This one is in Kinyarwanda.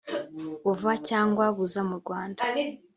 buva cyangwa buza mu Rwanda